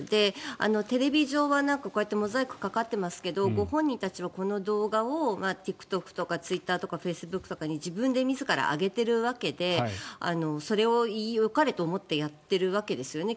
テレビ上はこうやってモザイクがかかっていますけどご本人たちはこの動画をＴｉｋＴｏｋとかツイッターとかフェイスブックとかに自分で自ら上げているわけでそれを、よかれと思ってやっているわけですよね。